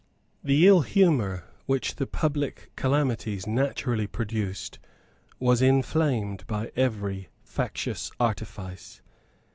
The ill humour which the public calamities naturally produced was inflamed by every factious artifice.